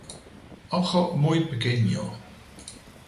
Ojo muy pequeño.